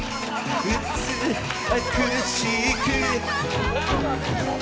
美しく。